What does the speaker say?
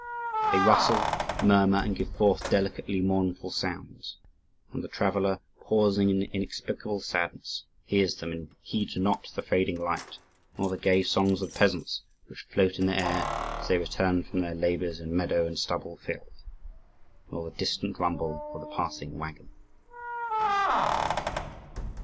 They rustle, murmur, and give forth delicately mournful sounds, and the traveller, pausing in inexplicable sadness, hears them, and heeds not the fading light, nor the gay songs of the peasants which float in the air as they return from their labours in meadow and stubble field, nor the distant rumble of the passing waggon.